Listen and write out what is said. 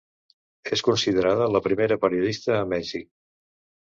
És considerada la primera periodista a Mèxic.